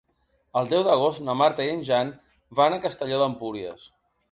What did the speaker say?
El deu d'agost na Marta i en Jan van a Castelló d'Empúries.